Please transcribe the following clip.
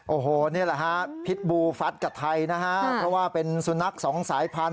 โอ้โหนี่แหละฮะพิษบูฟัดกับไทยนะฮะเพราะว่าเป็นสุนัขสองสายพันธุ